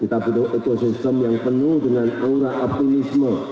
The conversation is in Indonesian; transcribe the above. kita butuh ekosistem yang penuh dengan aura optimisme